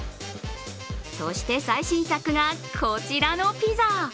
そして最新作が、こちらのピザ。